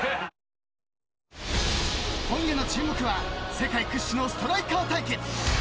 今夜の注目は世界屈指のストライカー対決。